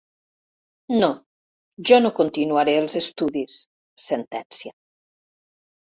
No, jo no continuaré els estudis —sentencia—.